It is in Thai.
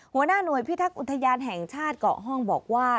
หัวหน้าหน่วยพิทักษ์อุทยานแห่งชาติเกาะห้องบอกว่า